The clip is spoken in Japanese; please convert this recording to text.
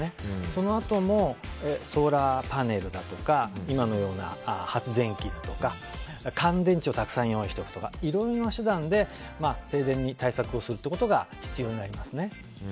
そのあともソーラーパネルだとか今のような、発電機とか乾電池をたくさん用意しておくとかいろいろな手段で停電の対策をすることが必要になりますね。